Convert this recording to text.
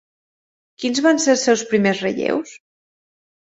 Quins van ser els seus primers relleus?